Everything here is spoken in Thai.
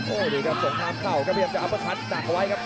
โอ้ดีครับส่งทางเข้าก็เพียงจะอัปภัทรจักรไว้ครับ